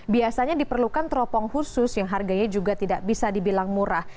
biasanya diperlukan teropong khusus yang harganya juga tidak bisa dibilang murah